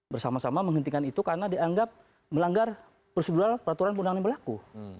bersama sama menghentikan itu karena dianggap melanggar prosedural peraturan perundangan yang berlaku